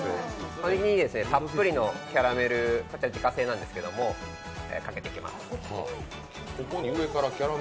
これにたっぷりのキャラメル、自家製なんですけどかけていきます。